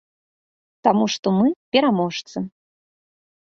Таму што мы пераможцы.